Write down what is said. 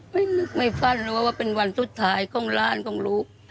ไม่นึกไม่ฟันเลยว่าเป็นวันสุดท้ายของร้านของลูก